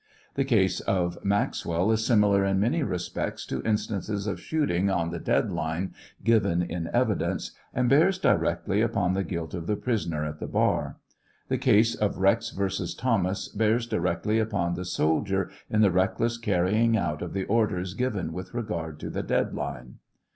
The case of Maxwell is similar in many respects to instances of shooting on the dead line given in evidence, and bears directly upon the guilt of the prisoner at the bar ; the case of Rex versus Thomas bears directly upon the soldier itl the reckless carrying out of the orders given with regard to the dead line.